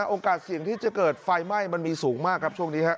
โอกาสเสี่ยงที่จะเกิดไฟไหม้มันมีสูงมากครับช่วงนี้ฮะ